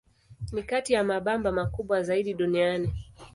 Ni kati ya mabamba makubwa zaidi duniani.